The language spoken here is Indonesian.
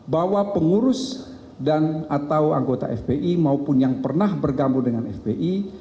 bahwa pengurus dan atau anggota fpi maupun yang pernah bergabung dengan fpi